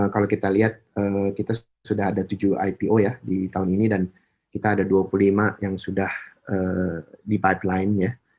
kalau kita lihat kita sudah ada tujuh ipo ya di tahun ini dan kita ada dua puluh lima yang sudah di pipeline ya